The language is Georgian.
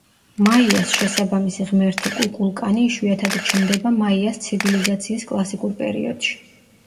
მაიას შესაბამისი ღმერთი კუკულკანი იშვიათად ჩნდება მაიას ცივილიზაციის კლასიკურ პერიოდში.